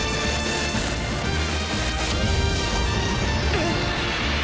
えっ？